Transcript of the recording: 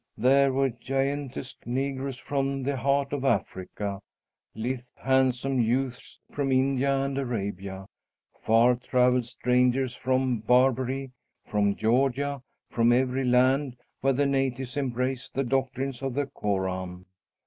There were giantesque negroes from the heart of Africa; lithe, handsome youths from India and Arabia; far travelled strangers from Barbary, from Georgia, from every land where the natives embrace the doctrines of the Koran.